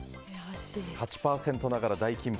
８％ながら大金星。